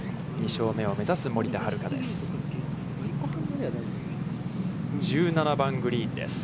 ２勝目を目指す森田遥です。